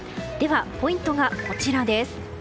ポイントがこちらです。